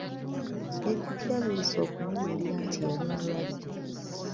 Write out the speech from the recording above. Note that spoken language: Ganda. Yajjukira buyise okumubuulira nti yali mulwadde.